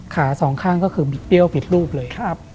ขาสองข้างก็คือบิดเดี้ยวบิดรูปเลย